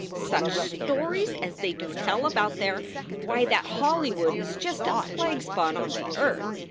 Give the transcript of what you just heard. "Such stories as they do tell about their Why, that Hollywood is just a plague spot on the earth!